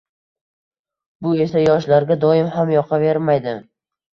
Bu esa yoshlarga doim ham yoqavermaydi.